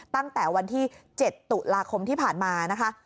ตั้งแต่วันที่๗ตุลาคมที่ผ่านมานะคะ